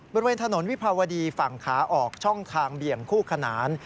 บริเวณถนนวิภาวดีฝั่งขาออกช่องทางเบี่ยงคู่ขนาน